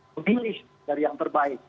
pilih dari yang terbaik